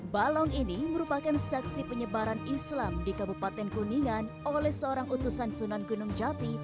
balong ini merupakan saksi penyebaran islam di kabupaten kuningan oleh seorang utusan sunan gunung jati